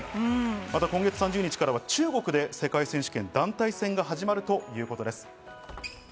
今月３０日からは中国で世界選手権団体戦が始まるということです。